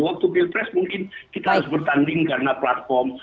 waktu pilpres mungkin kita harus bertanding karena platform